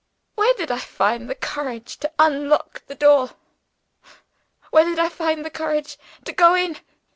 Where did I find the courage to unlock the door? Where did I find the courage to go in?